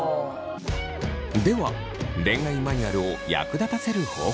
では恋愛マニュアルを役立たせる方法とは。